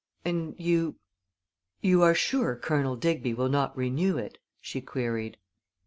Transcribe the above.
"And you you are sure Colonel Digby will not renew it?" she queried.